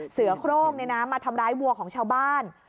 เสือโครงมาทำร้ายวัวของชาวบ้าน